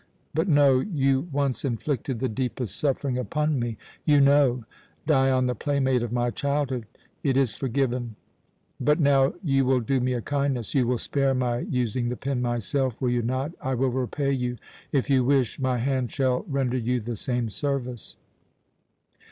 But no. You once inflicted the deepest suffering upon me. You know Dion, the playmate of my childhood It is forgiven. But now you will do me a kindness. You will spare my using the pin myself. Will you not? I will repay you. If you wish, my hand shall render you the same service."